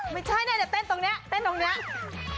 ไม่ใช่น่ะแต่เต้นตรงนี้เต้นตรงนี้เต้นสินะ